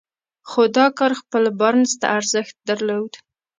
خو دا کار خپله بارنس ته ډېر ارزښت درلود.